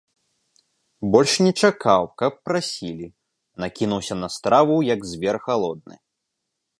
Больш не чакаў, каб прасілі, накінуўся на страву, як звер галодны.